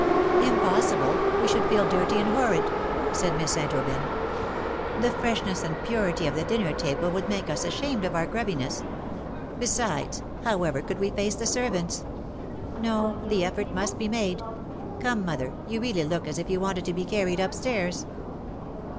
''^ Impossible ! We should feel dirty and horrid/' said Miss St. Aubyn. " The freshness and purity of the dinner table would make us ashamed of our grubbiness. Besides, however could we face the servants ? No, the effort must be made. Come, mother, you really look as if you wanted to be carried upstairs."